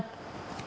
mặc dù biết rằng